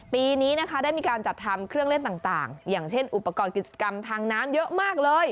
ปีนี้นะคะได้มีการจัดทำเครื่องเล่นต่างอย่างเช่นอุปกรณ์กิจกรรมทางน้ำเยอะมากเลย